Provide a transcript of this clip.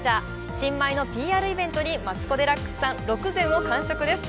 新米のＰＲイベントにマツコ・デラックスさん６膳を完食です。